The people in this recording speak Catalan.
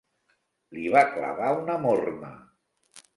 Li va clavar una morma.